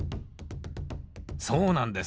そうなんです。